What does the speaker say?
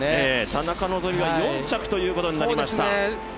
田中希実は４着ということになりました。